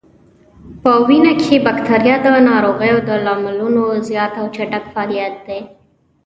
په وینه کې بکتریا د ناروغیو د لاملونو زیات او چټک فعالیت دی.